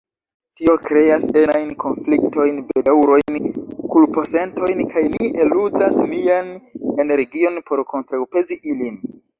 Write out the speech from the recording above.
Tio kreas enajn konfliktojn, bedaŭrojn, kulposentojn… kaj ni eluzas nian energion por kontraŭpezi ilin.